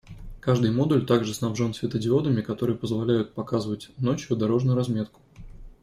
Каждый модуль также снабжен светодиодами, которые позволяют «показывать» ночью дорожную разметку.